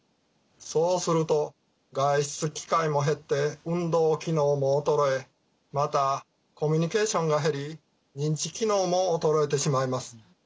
そうすると外出機会も減って運動機能も衰えまたコミュニケーションが減り認知機能も衰えてしまいます。